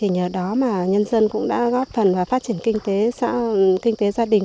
nhờ đó mà nhân dân cũng đã góp phần vào phát triển kinh tế gia đình